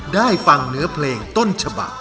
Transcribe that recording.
ได้ฟังเนื้อเพลงต้นฉบัก